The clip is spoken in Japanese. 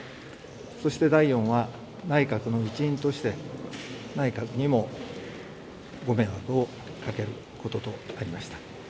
そして第４は、内閣の一員として内閣にもご迷惑をかけることとなりました。